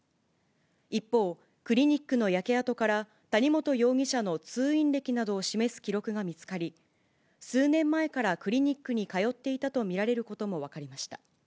一方、クリニックの焼け跡から、谷本容疑者の通院歴などを示す記録が見つかり、数年前からクリニックに通っていたと見られることも分かりました。